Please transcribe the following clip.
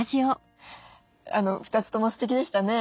２つともすてきでしたね。